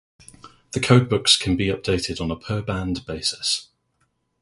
The codebooks can be updated on a per-band basis.